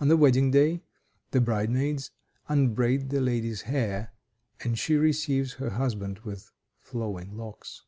On the wedding day the bridemaids unbraid the lady's hair, and she receives her husband with flowing locks.